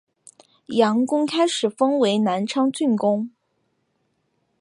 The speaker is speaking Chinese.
杨珙开始封为南昌郡公。